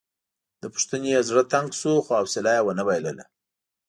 له پوښتنو یې زړه تنګ شو خو حوصله مې ونه بایلله.